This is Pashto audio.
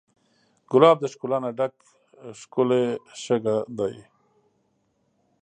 ګلاب د ښکلا نه ډک ښکلی شګه دی.